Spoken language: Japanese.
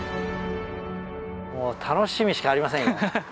もう楽しみしかありませんよ。